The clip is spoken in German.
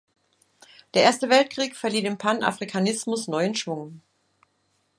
Der Erste Weltkrieg verlieh dem Panafrikanismus neuen Schwung.